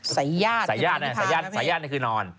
สายญาติคือนอน